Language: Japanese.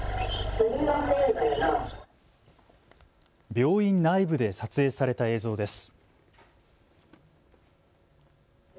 病院内部で撮影された映像です。